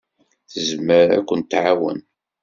Tezmer ad kent-tɛawen.